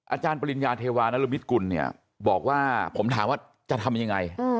อาจารย์ปริญญาเทวานรมิตกุลเนี่ยบอกว่าผมถามว่าจะทำยังไง